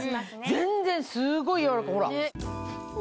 全然すごい柔らかいほら。